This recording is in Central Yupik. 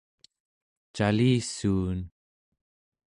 calissuun